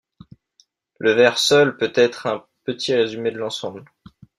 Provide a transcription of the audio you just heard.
Le vers seul peut être un petit résumé de l'ensemble.